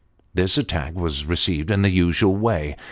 This attack was received in the usual way.